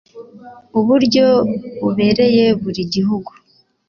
uburyo bubereye buri gihugu